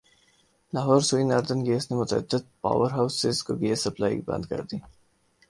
Lahore Sui Northern Gas نے متعدد power houses کو گیس سپلائی بند کر دی